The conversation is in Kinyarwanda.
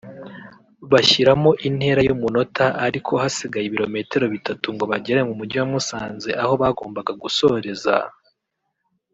bashyiramo intera y’umunota ariko hasigaye ibirometero bitatu ngo bagere mu Mujyi wa Musanze aho bagombaga gusoreza